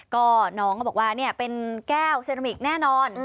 ก็น้องก็บอกว่าเป็นแก้วเซรามิกแน่นอน